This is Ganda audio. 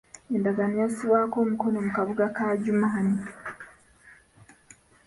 Endagaano yassibwako omukono mu kabuga ka Adjumani